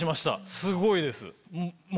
すごいです。